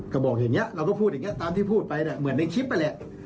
ก็บอกอย่างนี้เราก็พูดอย่างนี้ตามที่พูดไปเหมือนในคลิปนั่นแหละ